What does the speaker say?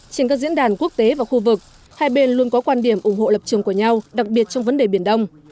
trên các diễn đàn quốc tế và khu vực hai bên luôn có quan điểm ủng hộ lập trường của nhau đặc biệt trong vấn đề biển đông